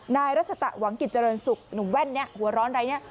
นายราชตะหวังกิจจรรย์สุขหนุ่มแว่นหัวร้อนไร